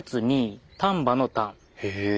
へえ。